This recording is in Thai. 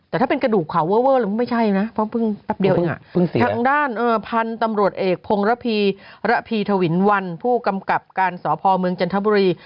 แต่ถ้าเป็นกระดูกขาวเวอร์แล้วไม่ใช่นะเพราะเพิ่งแป๊บเดียวเองทางด้านพันธุ์ตำรวจเอกพงระพีระพีทวินวันผู้กำกับการสพเมืองจันทบุรี